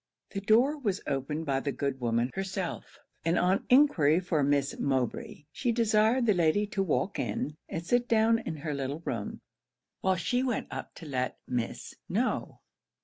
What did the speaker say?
The door was opened by the good woman herself; and on enquiry for Miss Mowbray, she desired the lady to walk in, and sit down in her little room, while she went up to let Miss know.